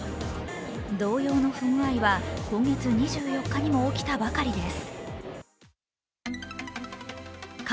同様の不具合は今月２４日にも起きたばかりです。